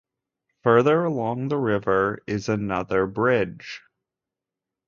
Further along the river is another bridge.